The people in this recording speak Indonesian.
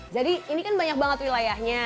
jadi ini kan banyak banget wilayahnya